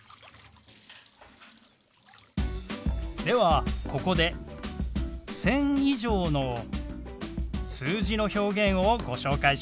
ではここで１０００以上の数字の表現をご紹介します。